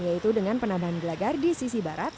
yaitu dengan penambahan gelagar di sisi barat